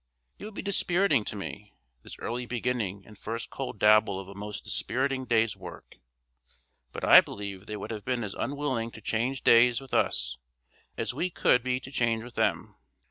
It would be dispiriting to me, this early beginning and first cold dabble of a most dispiriting day's work. But I believe they would have been as unwilling to change days with us as we could be to change with them.